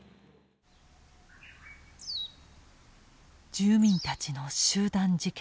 住民たちの集団自決。